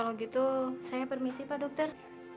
kalau gitu saya permisi pak dokter